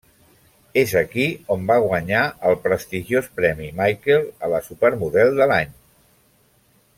És aquí on va guanyar el prestigiós Premi Michael a la supermodel de l'any.